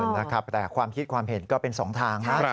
นะครับแต่ความคิดความเห็นก็เป็นสองทางนะ